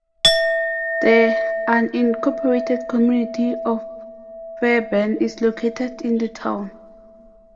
The unincorporated community of Fairburn is located in the town.